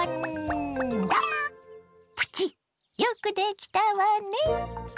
プチよくできたわね。